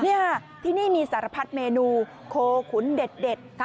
นี่ค่ะที่นี่มีสารพัดเมนูโคขุนเด็ด